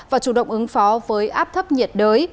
và chủ động ứng phó với áp thấp nhiệt đới